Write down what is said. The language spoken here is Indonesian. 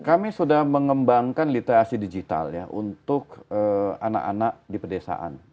kami sudah mengembangkan literasi digital ya untuk anak anak di pedesaan